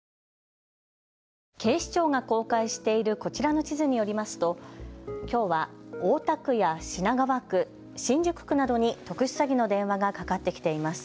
警視庁が公開しているこちらの地図によりますときょうは大田区や品川区、新宿区などに特殊詐欺の電話がかかってきています。